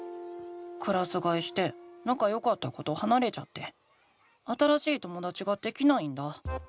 クラスがえしてなかよかった子とはなれちゃって新しいともだちができないんだ。